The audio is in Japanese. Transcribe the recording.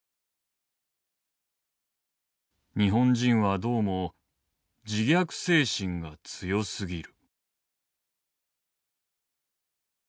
「日本人はどうも自虐精神が強すぎる」。